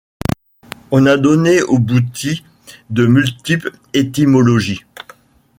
On a donné au boutis de multiples étymologies.